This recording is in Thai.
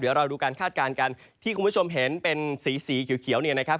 เดี๋ยวเราดูการคาดการณ์กันที่คุณผู้ชมเห็นเป็นสีสีเขียวเนี่ยนะครับ